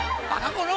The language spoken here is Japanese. この！